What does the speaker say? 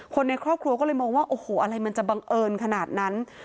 คนในครอบครัวก็เลยมองว่าโอ้โหอะไรมันจะบังเอิญขนาดนั้น